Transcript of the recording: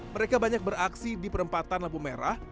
mereka banyak beraksi di perempatan lampu merah